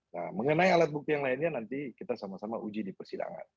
nah mengenai alat bukti yang lainnya nanti kita sama sama uji di persidangan